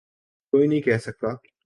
کوئی نہیں کہہ سکتا۔